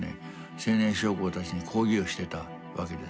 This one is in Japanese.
青年将校たちに講義をしてたわけですね。